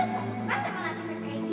seperti emas nasi pek kayak gini